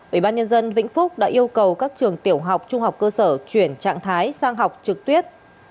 ubnd vĩnh phúc đã yêu cầu các trường tiểu học trung học cơ sở chuyển trạng thái sang học trực tuyến